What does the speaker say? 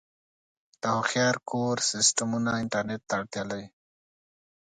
د هوښیار کور سیسټمونه انټرنیټ ته اړتیا لري.